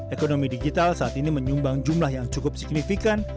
ekonomi digital saat ini menyumbang jumlah yang cukup signifikan